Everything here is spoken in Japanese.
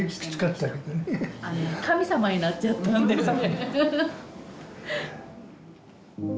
神様になっちゃったんだよね。